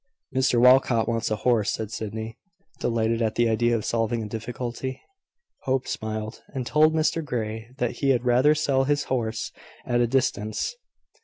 "Mr Walcot wants a horse," said Sydney, delighted at the idea of solving a difficulty. Hope smiled, and told Mr Grey that he had rather sell his horse at a distance.